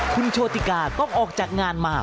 คุณโชติกาต้องออกจากงานมา